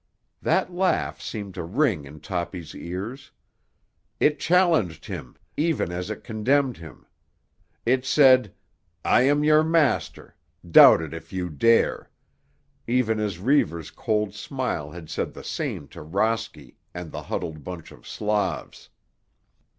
That laugh seemed to ring in Toppy's ears. It challenged him even as it contemned him. It said, "I am your master; doubt it if you dare"; even as Reivers' cold smile had said the same to Rosky and the huddled bunch of Slavs.